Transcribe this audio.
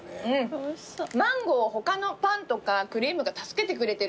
マンゴーを他のパンとかクリームが助けてくれてる。